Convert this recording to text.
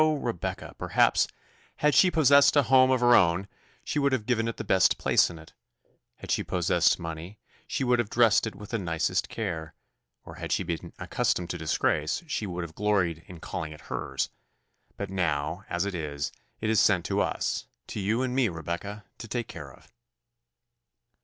Rebecca, perhaps, had she possessed a home of her own she would have given it the best place in it; had she possessed money, she would have dressed it with the nicest care; or had she been accustomed to disgrace, she would have gloried in calling it hers! But now, as it is, it is sent to us to you and me, Rebecca to take care of."